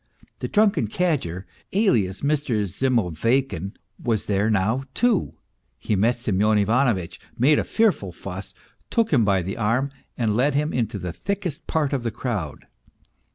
The drunken cadger alias Mr. Zimoveykin was there now, too, he met Semyon Ivano vitch, made a fearful fuss, took him by the arm, and led himinto the thickest part of the crowd.